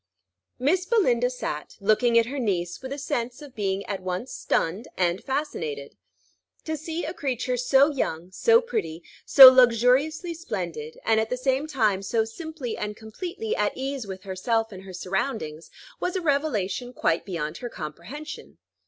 Miss Belinda sat, looking at her niece, with a sense of being at once stunned and fascinated. To see a creature so young, so pretty, so luxuriously splendid, and at the same time so simply and completely at ease with herself and her surroundings, was a revelation quite beyond her comprehension.